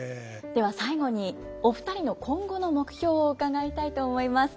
では最後にお二人の今後の目標を伺いたいと思います。